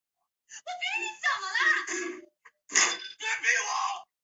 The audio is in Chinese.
法律之前人人平等,并有权享受法律的平等保护,不受任何歧视。